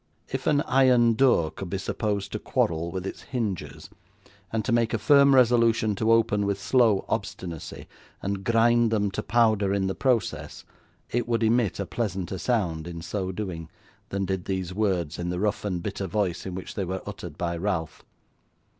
If an iron door could be supposed to quarrel with its hinges, and to make a firm resolution to open with slow obstinacy, and grind them to powder in the process, it would emit a pleasanter sound in so doing, than did these words in the rough and bitter voice in which they were uttered by Ralph.